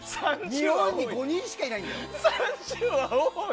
日本に５人しかいないんだよ。